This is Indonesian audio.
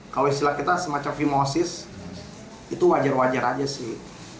kalau istilah kita semacam fimosis itu wajar wajar aja sih